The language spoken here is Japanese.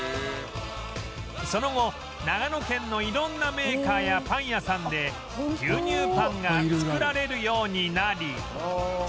その後長野県の色んなメーカーやパン屋さんで牛乳パンが作られるようになり